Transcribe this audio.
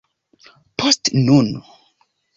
Post nun...